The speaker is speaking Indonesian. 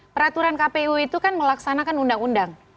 peraturan kpu itu kan melaksanakan undang undang